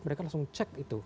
mereka langsung cek itu